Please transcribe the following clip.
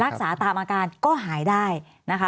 รักษาตามอาการก็หายได้นะคะ